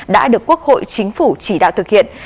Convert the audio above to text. đã được quốc hội chính phủ chỉ đạo thực hiện